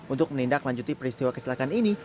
untuk menindak lanjuti peristiwa kesilakan ini